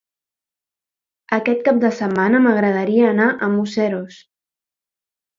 Aquest cap de setmana m'agradaria anar a Museros.